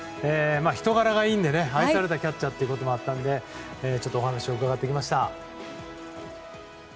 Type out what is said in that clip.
人柄がいいので愛されたキャッチャーということもあったのでお話を伺ってきました。